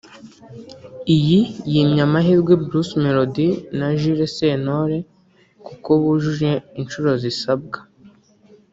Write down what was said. iyi yimye amahirwe Bruce Melody na Jules Sentore kuko bujuje inshuro zisabwa